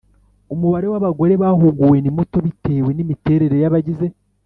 umubare w abagore bahuguwe ni muto bitewe n imiterere y abagize